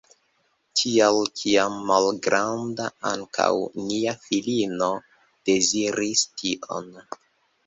Tial, kiam malgranda, ankaŭ nia filino deziris tion.